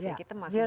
ya kita masih dalam